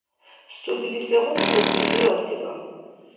Судли сегъуна хӀукму дурасиба?